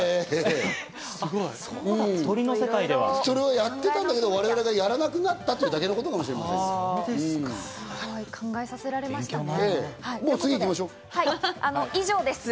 それをやってたんだけど我々がやらなくなったってだけのことかもしれないです。